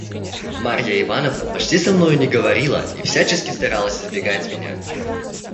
Марья Ивановна почти со мною не говорила и всячески старалась избегать меня.